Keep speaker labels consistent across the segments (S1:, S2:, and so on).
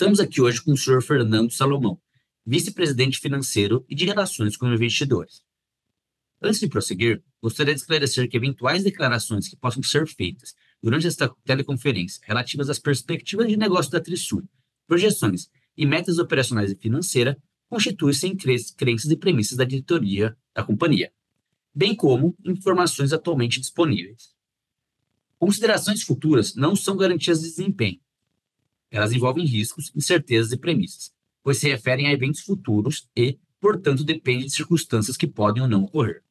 S1: Estamos aqui hoje com o senhor Fernando Salomão, Vice-Presidente Financeiro e de Relações com Investidores. Antes de prosseguir, gostaria de esclarecer que eventuais declarações que possam ser feitas durante esta teleconferência relativas às perspectivas de negócio da Trisul, projeções e metas operacionais e financeira, constituem crenças e premissas da diretoria da companhia, bem como informações atualmente disponíveis. Considerações futuras não são garantias de desempenho, elas envolvem riscos, incertezas e premissas, pois se referem a eventos futuros e, portanto, dependem de circunstâncias que podem ou não ocorrer.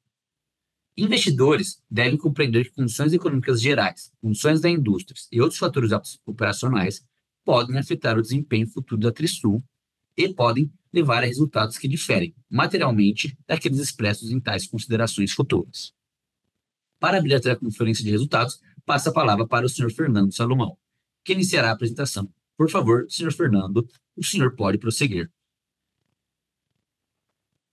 S1: Investidores devem compreender que condições econômicas gerais, condições da indústria e outros fatores operacionais podem afetar o desempenho futuro da Trisul e podem levar a resultados que diferem materialmente daqueles expressos em tais considerações futuras. Para abrir a teleconferência de resultados, passo a palavra para o senhor Fernando Salomão, que iniciará a apresentação. Por favor, senhor Fernando, o senhor pode prosseguir.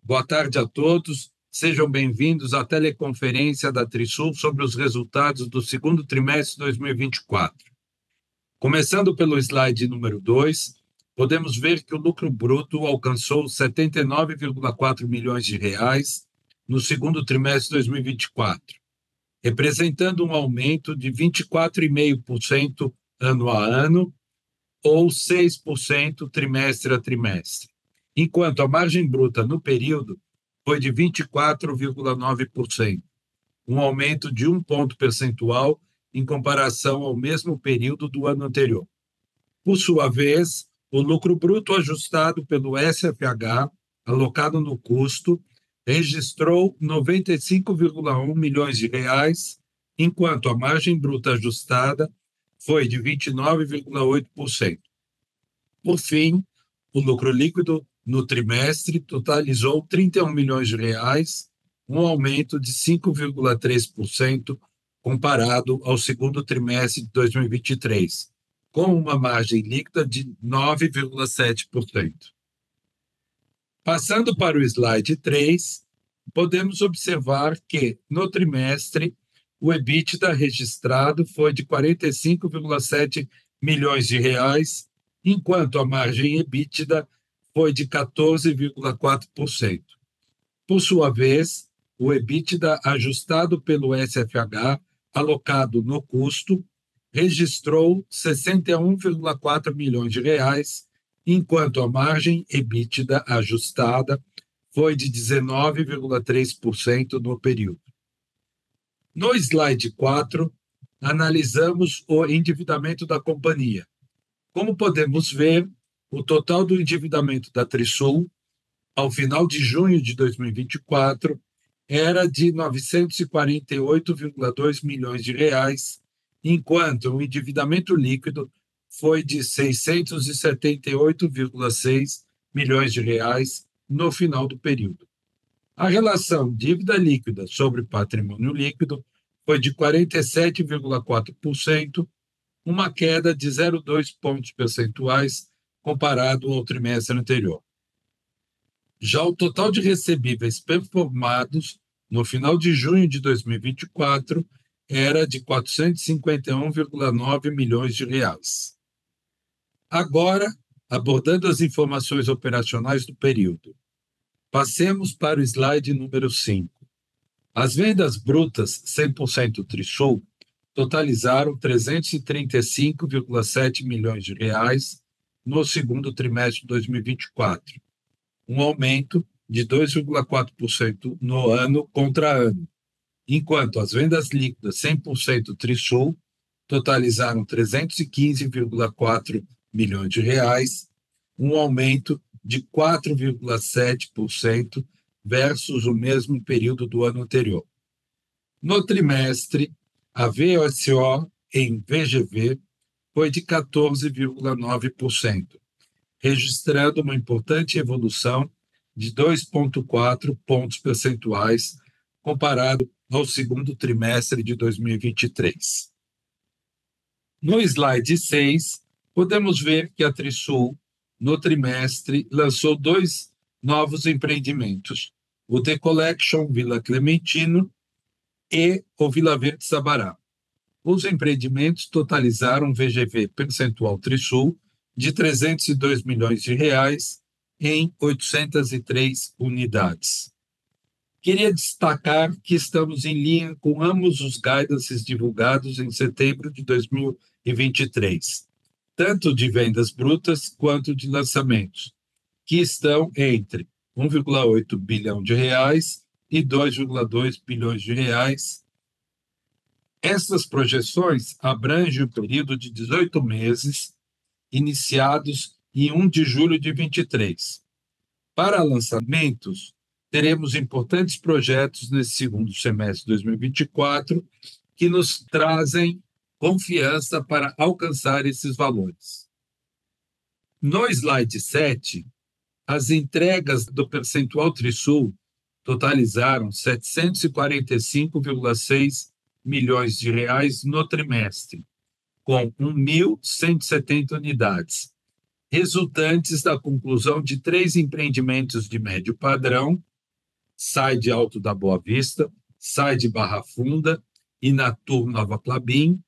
S2: Boa tarde a todos. Sejam bem-vindos à teleconferência da Trisul sobre os resultados do segundo trimestre de 2024. Começando pelo slide 2, podemos ver que o lucro bruto alcançou 79.4 million reais no segundo trimestre de 2024, representando um aumento de 24.5% ano a ano ou 6% trimestre a trimestre, enquanto a margem bruta no período foi de 24.9%, um aumento de 1 ponto percentual em comparação ao mesmo período do ano anterior. Por sua vez, o lucro bruto ajustado pelo SFH alocado no custo registrou 95.1 million reais, enquanto a margem bruta ajustada foi de 29.8%. Por fim, o lucro líquido no trimestre totalizou 31 million reais, um aumento de 5.3% comparado ao segundo trimestre de 2023, com uma margem líquida de 9.7%. Passando para o slide 3, podemos observar que no trimestre o EBITDA registrado foi de 45.7 million reais, enquanto a margem EBITDA foi de 14.4%. Por sua vez, o EBITDA ajustado pelo SFH alocado no custo registrou 61.4 million reais, enquanto a margem EBITDA ajustada foi de 19.3% no período. No slide 4, analisamos o endividamento da companhia. Como podemos ver, o total do endividamento da Trisul ao final de junho de 2024 era de 948.2 milhões de reais, enquanto o endividamento líquido foi de 678.6 milhões de reais no final do período. A relação dívida líquida sobre patrimônio líquido foi de 47.4%, uma queda de 0.2 pontos percentuais comparado ao trimestre anterior. Já o total de recebíveis performados no final de junho de 2024 era de 451.9 milhões de reais. Agora, abordando as informações operacionais do período. Passemos para o slide número 5. As vendas brutas 100% Trisul totalizaram 335.7 million reais no segundo trimestre de 2024, um aumento de 2.4% ano a ano, enquanto as vendas líquidas 100% Trisul totalizaram BRL 315.4 million, um aumento de 4.7% versus o mesmo período do ano anterior. No trimestre, a VSO em VGV foi de 14.9%, registrando uma importante evolução de 2.4 pontos percentuais comparado ao segundo trimestre de 2023. No slide 6, podemos ver que a Trisul, no trimestre, lançou 2 novos empreendimentos, o The Collection Vila Clementino e o Villa Verde Sabará. Os empreendimentos totalizaram VGV percentual Trisul de BRL 302 million em 803 unidades. Queria destacar que estamos em linha com ambos os guidances divulgados em setembro de 2023, tanto de vendas brutas quanto de lançamentos, que estão entre 1.8 billion reais e 2.2 billion reais. Essas projeções abrangem o período de 18 meses iniciados em 1 de julho de 2023. Para lançamentos, teremos importantes projetos nesse segundo semestre de 2024, que nos trazem confiança para alcançar esses valores. No slide 7, as entregas do potencial Trisul totalizaram 745.6 million reais no trimestre, com 1,170 unidades, resultantes da conclusão de 3 empreendimentos de médio padrão, Side Alto da Boa Vista, Side Barra Funda e Natur Nova Klabin,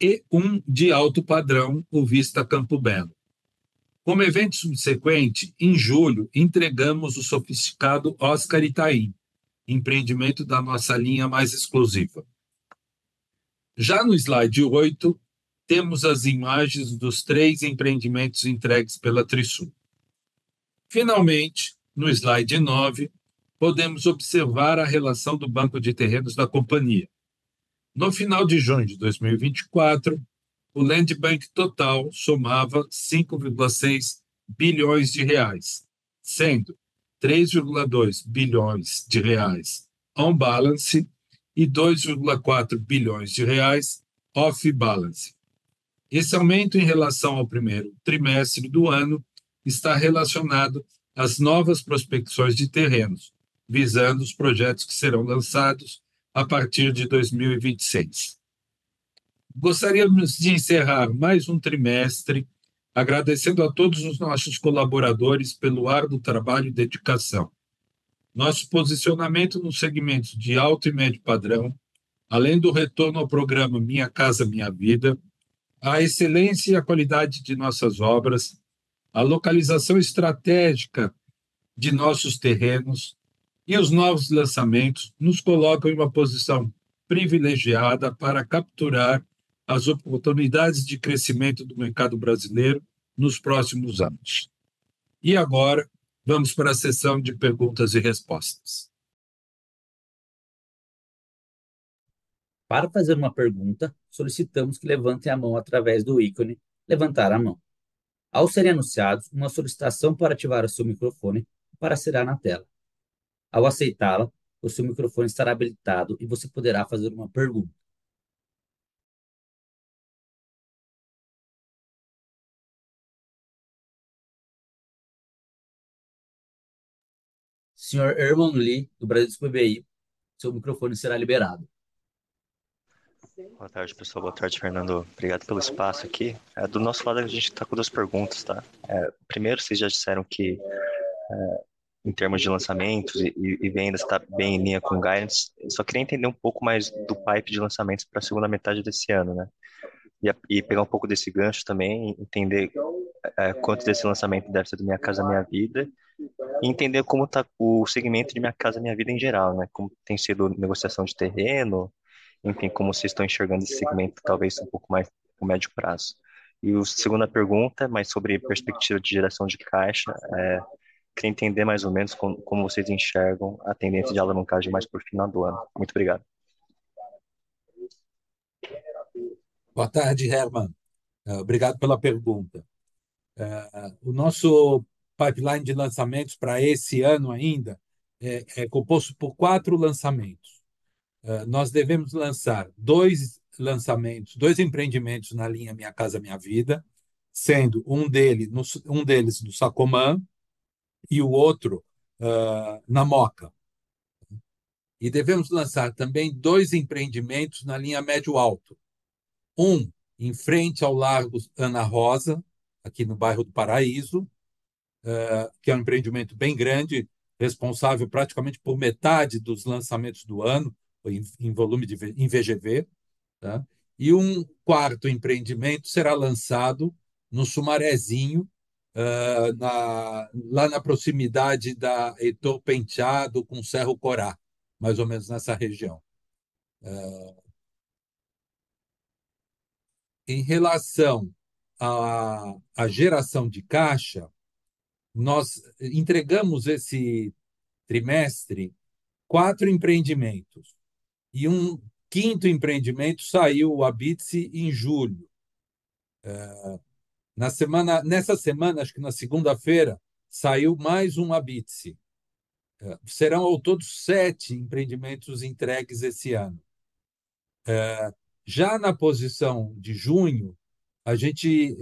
S2: e 1 de alto padrão, o Vista Campo Belo. Como evento subsequente, em julho, entregamos o sofisticado Oscar Itaim, empreendimento da nossa linha mais exclusiva. Já no slide 8, temos as imagens dos três empreendimentos entregues pela Trisul. Finalmente, no slide 9, podemos observar a relação do banco de terrenos da companhia. No final de junho de 2024, o Land Bank total somava 5.6 billion reais, sendo 3.2 billion reais on-balance sheet e 2.4 billion reais off-balance sheet. Esse aumento em relação ao primeiro trimestre do ano está relacionado às novas prospecções de terrenos, visando os projetos que serão lançados a partir de 2026. Gostaríamos de encerrar mais um trimestre agradecendo a todos os nossos colaboradores pelo árduo trabalho e dedicação. Nosso posicionamento nos segmentos de alto e médio padrão, além do retorno ao programa Minha Casa, Minha Vida, a excelência e a qualidade de nossas obras, a localização estratégica de nossos terrenos e os novos lançamentos nos colocam em uma posição privilegiada para capturar as oportunidades de crescimento do mercado brasileiro nos próximos anos. Agora vamos pra seção de perguntas e respostas.
S1: Para fazer uma pergunta, solicitamos que levantem a mão através do ícone "levantar a mão". Ao serem anunciados, uma solicitação para ativar o seu microfone aparecerá na tela. Ao aceitá-la, o seu microfone estará habilitado e você poderá fazer uma pergunta. Senhor Herman Lee, do Bradesco BBI, seu microfone será liberado.
S3: Boa tarde, pessoal. Boa tarde, Fernando. Obrigado pelo espaço aqui. Do nosso lado, a gente tá com duas perguntas, tá? Primeiro, cês já disseram que em termos de lançamentos e vendas, tá bem em linha com o guidance. Só queria entender um pouco mais do pipe de lançamentos pra segunda metade desse ano, né? E pegar um pouco desse gancho também, entender quanto desse lançamento deve ser do Minha Casa, Minha Vida, e entender como tá o segmento de Minha Casa, Minha Vida em geral, né? Como tem sido negociação de terreno, enfim, como cês tão enxergando esse segmento, talvez um pouco mais pro médio prazo. A segunda pergunta, mais sobre perspectiva de geração de caixa, queria entender mais ou menos como vocês enxergam a tendência de alavancagem mais pro final do ano. Muito obrigado.
S2: Boa tarde, Herman. Obrigado pela pergunta. O nosso pipeline de lançamentos para esse ano ainda é composto por quatro lançamentos. Nós devemos lançar dois lançamentos, dois empreendimentos na linha Minha Casa, Minha Vida, sendo um deles no Sacomã e o outro na Mooca. Devemos lançar também dois empreendimentos na linha médio-alto. Um em frente ao Largo Ana Rosa, aqui no bairro do Paraíso, que é um empreendimento bem grande, responsável praticamente por metade dos lançamentos do ano, em VGV, né? Um quarto empreendimento será lançado no Sumarezinho, na proximidade da Heitor Penteado com o Cerro Corá, mais ou menos nessa região. Em relação à geração de caixa, nós entregamos esse trimestre quatro empreendimentos e um quinto empreendimento saiu o Habite-se em julho. Nessa semana, acho que na segunda-feira, saiu mais um Habite-se. Serão ao todo 7 empreendimentos entregues esse ano. Já na posição de junho, a gente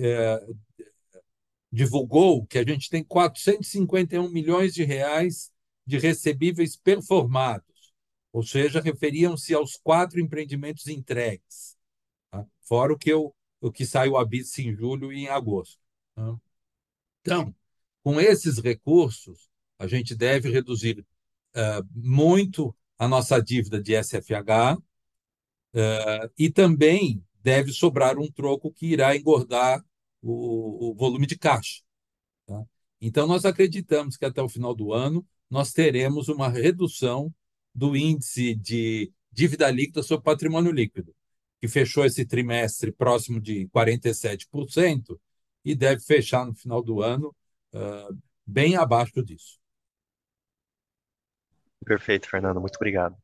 S2: divulgou que a gente tem 451 milhões de reais de recebíveis performados, ou seja, referiam-se aos 4 empreendimentos entregues, tá? Fora o que sai o Habite-se em julho e em agosto, tá? Com esses recursos, a gente deve reduzir muito a nossa dívida de SFH e também deve sobrar um troco que irá engordar o volume de caixa, tá? Nós acreditamos que até o final do ano nós teremos uma redução do índice de dívida líquida sobre patrimônio líquido, que fechou esse trimestre próximo de 47% e deve fechar no final do ano bem abaixo disso.
S3: Perfeito, Fernando. Muito obrigado.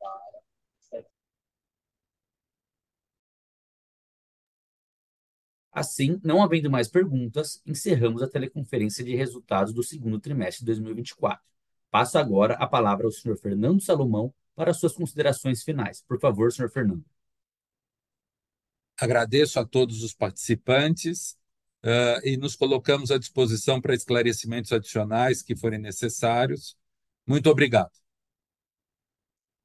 S1: Não havendo mais perguntas, encerramos a teleconferência de resultados do segundo trimestre de 2024. Passo agora a palavra ao senhor Fernando Salomão para suas considerações finais. Por favor, senhor Fernando.
S2: Agradeço a todos os participantes, e nos colocamos à disposição pra esclarecimentos adicionais que forem necessários. Muito obrigado.